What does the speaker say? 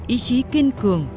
ý chí kiên cường